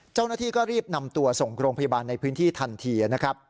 เจ้าหน้าที่ก็รีบนำตัวส่งโรงพยาบาลในพื้นที่ทันทีนะครับ